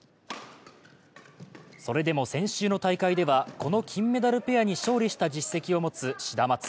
それでも、先週の大会では、この金メダルペアに勝利した実績を持つシダマツ。